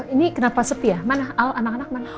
ini kenapa sepi ya mana al anak anak mana